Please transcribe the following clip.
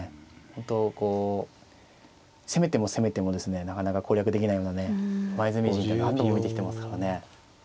本当こう攻めても攻めてもですねなかなか攻略できないようなね今泉陣って何度も見てきてますからね。